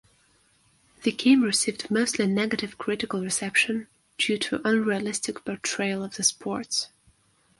The game received mostly negative critical reception due to unrealistic portrayal of the sports.